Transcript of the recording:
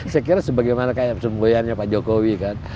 saya kira sebagaimana kayak semboyannya pak jokowi kan